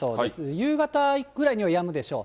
夕方ぐらいにはやむでしょう。